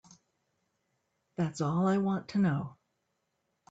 That's all I want to know.